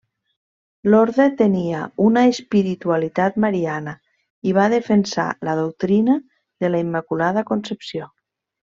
L'orde tenia una espiritualitat mariana i va defensar la doctrina de la Immaculada Concepció.